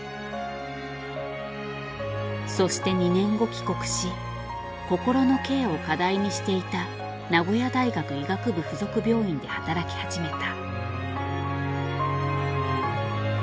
そして２年後帰国し心のケアを課題にしていた名古屋大学医学部附属病院で働き始めた。